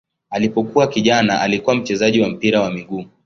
Alipokuwa kijana alikuwa mchezaji wa mpira wa miguu.